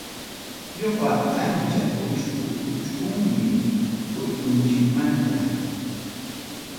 Tulluqa ancha uchku uchkum kurkunchikmanta.